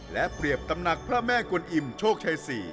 และเปรียบตำหนักพระแม่กวนอิ่มโชคชัย๔